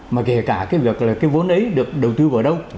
mà kể cả cái vốn ấy được đầu tư vào đâu